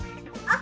あ！